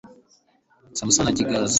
samusoni ajya i gaza